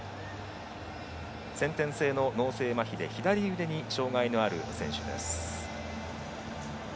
先天性の脳性まひで左腕に障がいのある選手です。